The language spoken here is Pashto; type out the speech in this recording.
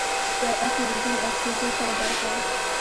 یو آس یې د زین او کیزې سره درکړی.